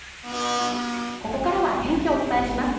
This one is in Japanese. ここからは天気をお伝えします